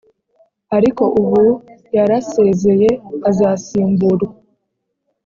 ariko ubu yarasezeye, azasimburwa